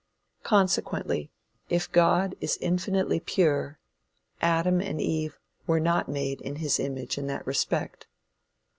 Consequently, if God is infinitely pure, Adam and Eve were not made in his image in that respect.